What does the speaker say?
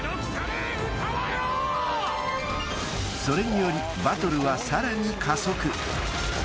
［それによりバトルはさらに加速］